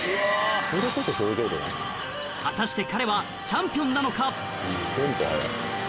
果たして彼はチャンピオンなのか？